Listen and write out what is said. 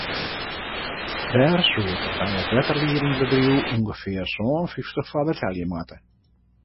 Dêr soed er by it wetterliedingbedriuw ûngefear sân fyftich foar betelje moatte.